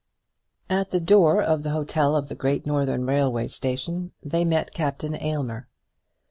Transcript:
At the door of the hotel of the Great Northern Railway Station they met Captain Aylmer.